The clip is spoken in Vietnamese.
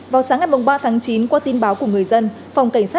vào sáng ngày ba tháng chín qua tin báo của người dân